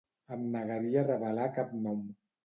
Em negaria a revelar cap nom.